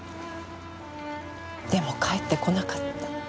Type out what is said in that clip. でも帰って来なかった。